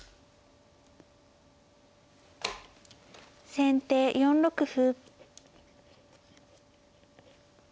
先手４六歩。